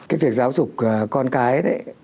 cái việc giáo dục con cái